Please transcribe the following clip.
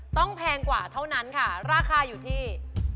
แพงกว่าเท่านั้นค่ะราคาอยู่ที่